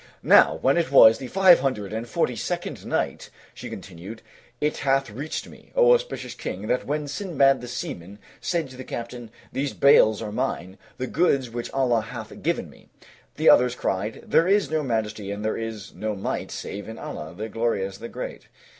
NOW WHEN IT WAS THE FIVE HUNDRED AND FORTY SECOND NIGHT, She continued, It hath reached me, O auspicious King, that when Sindbad the Seaman said to the captain, "These bales are mine, the goods which Allah hath given me," the other exclaimed, "There is no Majesty and there is no Might save in Allah, the Glorious, the Great!